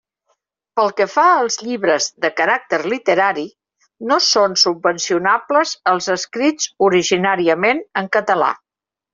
Pel que fa als llibres de caràcter literari, no són subvencionables els escrits originàriament en català.